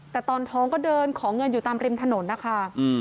แต่ตอนท้องก็เดินขอเงินอยู่ตามริมถนนนะคะ